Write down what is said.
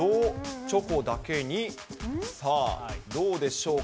チョコだけに、さあ、どうでしょうか？